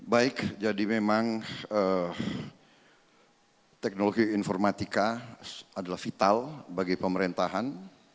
baik jadi memang teknologi informatika adalah vital bagi pemerintahan